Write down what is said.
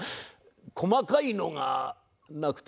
細かいのがなくて。